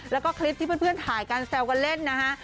แล้วก็คลิปที่เพื่อนถ่ายกันแซวกันเล่นนะฮะ